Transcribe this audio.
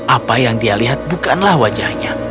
apa yang dia lihat bukanlah wajahnya